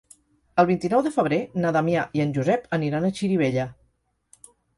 El vint-i-nou de febrer na Damià i en Josep aniran a Xirivella.